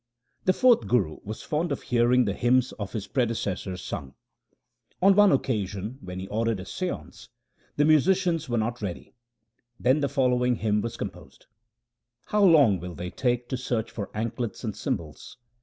The fourth Guru was fond of hearing the hymns of his predecessors sung. On one occasion when he 3io THE SIKH RELIGION ordered a seance, the musicians were not ready. Then the following hymn was composed :— How long will they take to search for anklets and cym bals